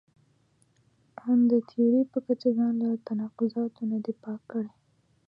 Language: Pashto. ان د تیوري په کچه ځان له تناقضاتو نه دی پاک کړی.